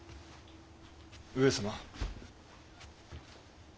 上様。